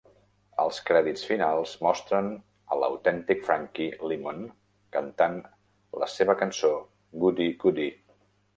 Els crèdits finals mostren a l'autèntic Frankie Lymon cantant la seva cançó Goody Goody.